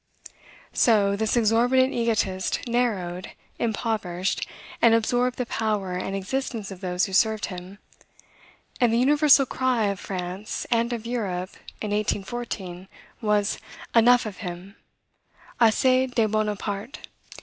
So, this exorbitant egotist narrowed, impoverished, and absorbed the power and existence of those who served him; and the universal cry of France, and of Europe, in 1814, was, "enough of him;" "assez de Bonaparte."